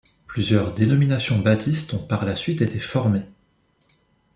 Plusieurs dénominations baptistes ont par la suite été formées.